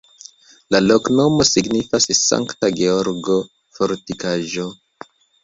La loknomo signifas Sankta Georgo-fortikaĵo.